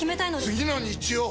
次の日曜！